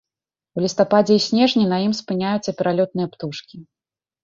У лістападзе і снежні на ім спыняюцца пералётныя птушкі.